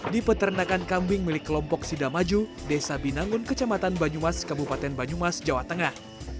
di peternakan kambing milik kelompok sidamaju desa binangun kecamatan banyumas kabupaten banyumas jawa tengah